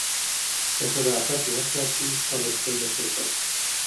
که صداقت وساتې، خلک تل درسره پاتې کېږي.